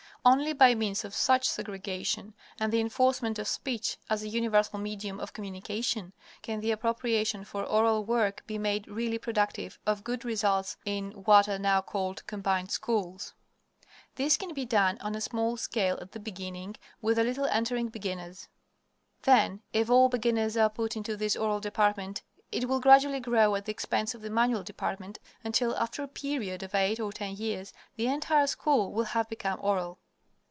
Only by means of such segregation, and the enforcement of speech as a universal medium of communication, can the appropriations for oral work be made really productive of good results in what are now called "Combined Schools." This can be done on a small scale at the beginning, with the little entering beginners. Then if all beginners are put into this oral department it will gradually grow at the expense of the manual department, until, after a period of eight or ten years, the entire school will have become oral.